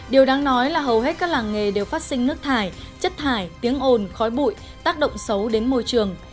điều đáng nói là hầu hết các làng nghề đều phát sinh nước thải chất thải tiếng ồn khói bụi tác động xấu đến môi trường